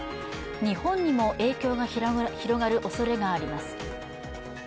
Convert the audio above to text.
日本にも影響が広がるおそれがあります。